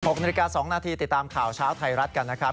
๖นาฬิกา๒นาทีติดตามข่าวเช้าไทยรัฐกันนะครับ